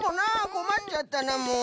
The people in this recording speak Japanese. こまっちゃったなもう。